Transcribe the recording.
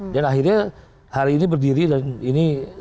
dan akhirnya hari ini berdiri dan ini sudah berakhir